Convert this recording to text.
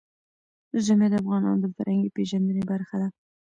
ژمی د افغانانو د فرهنګي پیژندنې برخه ده.